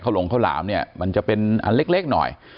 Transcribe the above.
หลงข้าวหลามเนี่ยมันจะเป็นอันเล็กหน่อย